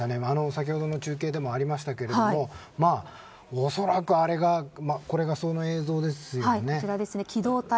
先ほど中継でもありましたけれどおそらくそれがこの映像ですよね。